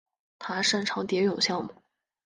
他擅长蝶泳项目。